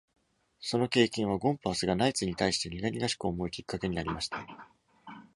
その経験は、ゴンパースがナイツに対して苦々しく思うきっかけになりました。